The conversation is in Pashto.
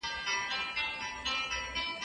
که موږ خپله ژبه وساتو، نو تاریخ به مو خراب نه سي.